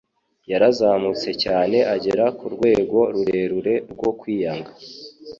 yarazamutse cyane agera ku rwego rurerure rwo kwiyanga.